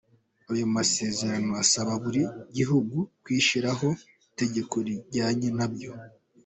Ayo masezerano asaba buri gihugu kwishyiriraho itegeko rijyanye nabyo.